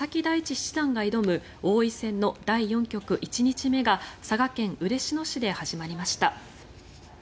七段が挑む王位戦の第４局１日目が佐賀県嬉野市で始まりました。